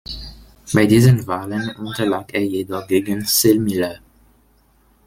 Bei diesen Wahlen unterlag er jedoch gegen Zell Miller.